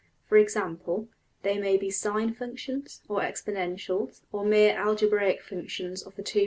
For example, they may be sine functions, or exponentials, or mere algebraic functions of the two \DPPageSep{190.